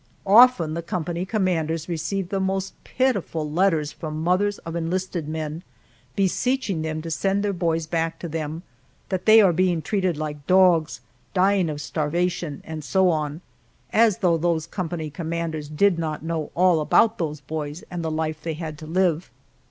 Often the company commanders receive the most pitiful letters from mothers of enlisted men, beseeching them to send their boys back to them, that they are being treated like dogs, dying of starvation, and so on. As though these company commanders did not know all about those boys and the life they had to live.